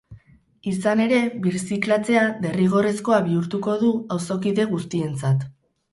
Izan ere, birziklatzea derrigorrezkoa bihurtuko du auzokide guztientzat.